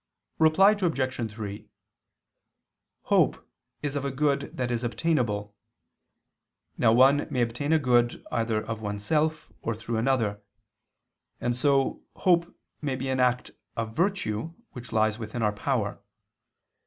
Reply Obj. 3: Hope is of good that is obtainable. Now one may obtain a good either of oneself, or through another: and so, hope may be of an act of virtue, which lies within our own power.